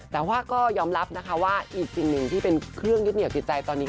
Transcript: แต่ว่าก็ยอมรับนะคะว่าอีกสิ่งหนึ่งที่เป็นเครื่องยึดเหนียวจิตใจตอนนี้